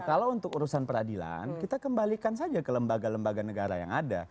kalau untuk urusan peradilan kita kembalikan saja ke lembaga lembaga negara yang ada